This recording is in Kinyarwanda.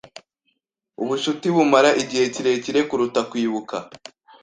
Ubucuti bumara igihe kirekire kuruta kwibuka.